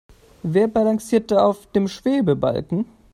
Wer balanciert da auf dem Schwebebalken?